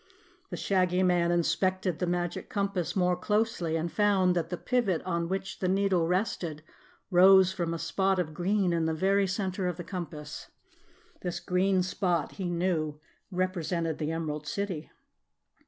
The Shaggy Man inspected the Magic Compass more closely and found that the pivot on which the needle rested, rose from a spot of green in the very center of the compass. This green spot, he knew, represented the Emerald City.